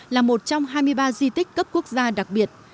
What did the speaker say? là một trong hai mươi ba di tích cấp quốc gia đặc biệt